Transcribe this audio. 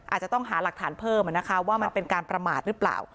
อาจจะต้องหาหลักฐานเพิ่มนะคะว่ามันเป็นการประมาทหรือเปล่า